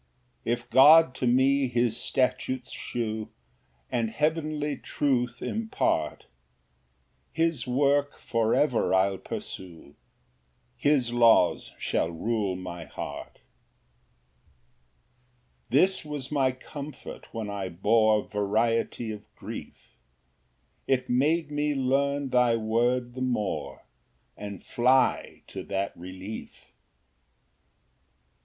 5 If God to me his statutes shew, And heavenly truth impart, His work for ever I'll pursue, His laws shall rule my heart. Ver. 50 71. 6 This was my comfort when I bore Variety of grief; It made me learn thy word the more, And fly to that relief.